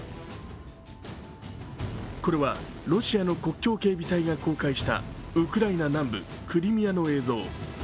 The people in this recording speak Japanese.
これは、ロシアの国境警備隊が公開したウクライナ南部・クリミアの映像。